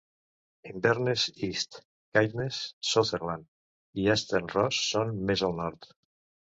Inverness East, Caithness, Sutherland i Easter Ross són més al nord.